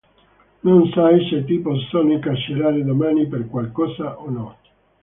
Non sai se ti possono incarcerare domani per qualcosa o no".